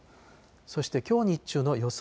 そしてきょう日中の予想